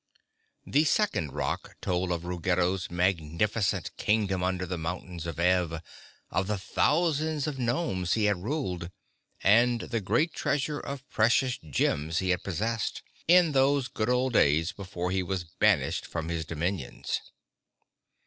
_ The second rock told of Ruggedo's magnificent Kingdom under the mountains of Ev, of the thousands of gnomes he had ruled and the great treasure of precious gems he had possessed, in those good old days before he was banished from his dominions.